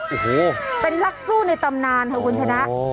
โอ้โหเป็นนักสู้ในตำนานค่ะคุณชนะ